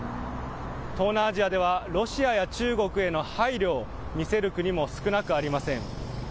東南アジアではロシアや中国への配慮を見せる国も少なくありません。